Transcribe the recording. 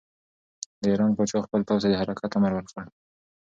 د ایران پاچا خپل پوځ ته د حرکت امر ورکړ.